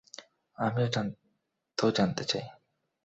আমিও তো জানতে চাই।